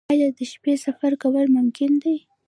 آیا د شپې سفر کول ممکن دي؟